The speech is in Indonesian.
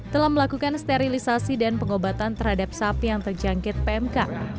telah melakukan sterilisasi dan pengobatan terhadap sapi yang terjangkit pmk